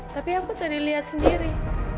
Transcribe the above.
tapi aku tadi lihat sendiri